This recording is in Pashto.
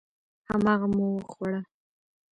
هماغه مو وخوړه.